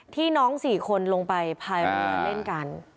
ที่น้อง๔คนลงไปพายล์แนวนกัน